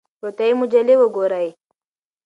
روغتیایي مجلې وګورئ.